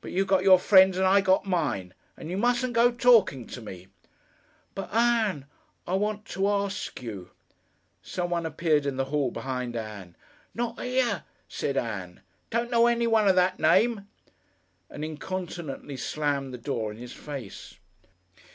But you got your friends and I got mine and you mustn't go talking to me." "But, Ann, I want to ask you " Someone appeared in the hall behind Ann. "Not here," said Ann. "Don't know anyone of that name," and incontinently slammed the door in his face.